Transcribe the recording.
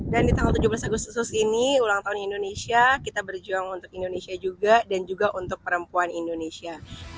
dan di tanggal tujuh belas agustus ini ulang tahun indonesia kita berjuang untuk indonesia juga dan juga untuk perempuan indonesia